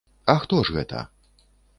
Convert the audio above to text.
А хто ж гэта?